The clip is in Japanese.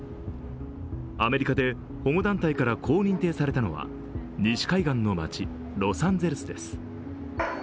アメリカで保護団体からこう認定されたのは西海岸の街・ロサンゼルスです。